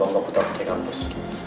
bongkok putra putri kampus